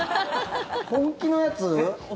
本気のやつ？